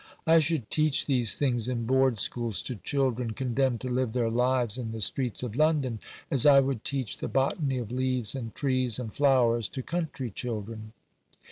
I should teach these things in Board Schools to children condemned to live their lives in the streets of London, as I would teach the botany of leaves and trees and flowers to country children."